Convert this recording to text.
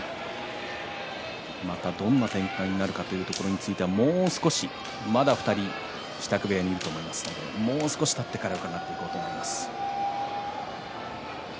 またどんな展開になるかということについてはもう少し、まだ２人支度部屋にいると思いますのでもう少したってから伺っていこうと思います。